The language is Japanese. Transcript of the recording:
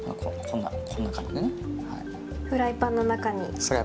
フライパンの中に。